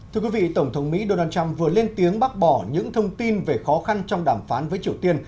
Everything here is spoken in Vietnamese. thưa quý vị tổng thống mỹ donald trump vừa lên tiếng bác bỏ những thông tin về khó khăn trong đàm phán với triều tiên